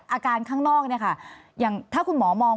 ข้างนอกเนี่ยค่ะอย่างถ้าคุณหมอมอง